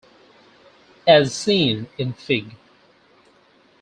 As seen in Fig.